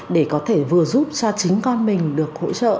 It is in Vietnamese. để có thể vừa giúp cho chính con mình được hỗ trợ